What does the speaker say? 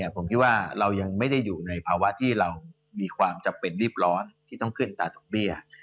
ผมคิดว่าเรายังไม่ได้อยู่ในภาวะที่เรามีความจำเป็นรีบร้อนที่ต้องขึ้นอัตราดอกเบี้ย